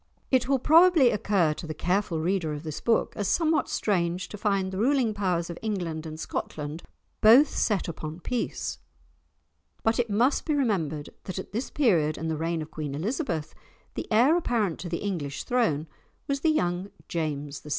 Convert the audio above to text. It will probably occur to the careful reader of this book as somewhat strange to find the ruling powers of England and Scotland both so set upon peace; but it must be remembered that at this period in the reign of Queen Elizabeth the heir apparent to the English throne was the young James VI.